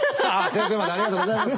先生までありがとうございます。